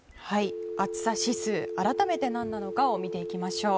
暑さ指数、改めて何なのか見ていきます。